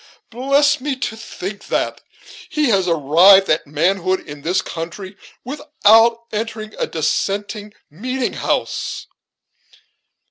Bless me! to think that' he has arrived at manhood in this country, without entering a dissenting * meeting house!"